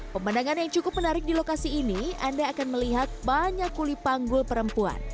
pemandangan yang cukup menarik di lokasi ini anda akan melihat banyak kulipanggul perempuan